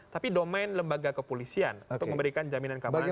tapi domain lembaga kepolisian untuk memberikan jaminan keamanan